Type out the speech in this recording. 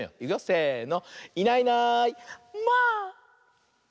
せの。